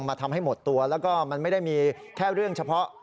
ทำให้หมดตัวแล้วก็มันไม่ได้มีแค่เรื่องเฉพาะ